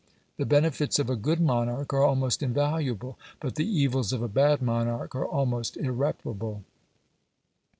The benefits of a good monarch are almost invaluable, but the evils of a bad monarch are almost irreparable.